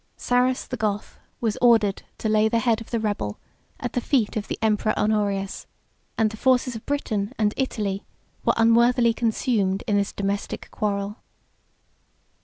Sarus the Goth was ordered to lay the head of the rebel at the feet of the emperor Honorius; and the forces of Britain and Italy were unworthily consumed in this domestic quarrel.